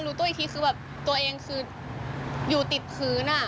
รู้ตัวอีกทีคือแบบตัวเองคืออยู่ติดพื้น